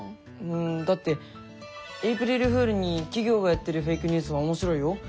うんだってエイプリルフールに企業がやってるフェイクニュースも面白いよ。